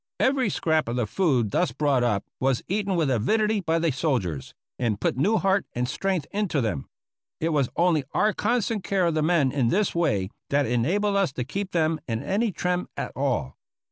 Every scrap of the food thus brought up was eaten with avidity by the soldiers, and put new heart and strength into them. It was only our constant care of the men in this way that enabled us to keep them in any trim at all.